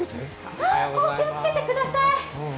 お気をつけてください。